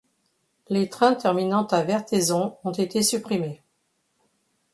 Les trains terminant à Vertaizon ont été supprimés.